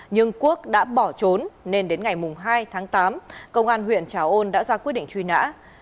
nhưng quốc đã bỏ trốn nên đến ngày hai tháng tám công an huyện trà ôn đã ra quyết định truy nã